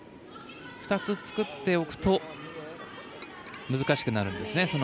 ２つ作っておくと難しくなるんですね。